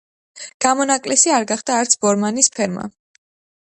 გამონაკლისი არ გახდა არც ბორმანის ფერმა.